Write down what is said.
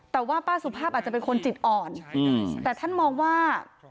แต่ว่าป้าสุภาพอาจจะเป็นคนจิตอ่อนแต่ท่านมองว่า